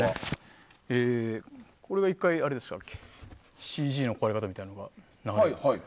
これが１回、ＣＧの壊れ方みたいなのが流れる。